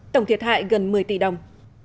tổng thiệt hại gần một mươi tỷ đồng